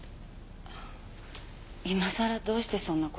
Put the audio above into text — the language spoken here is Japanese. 今さらどうしてそんな事。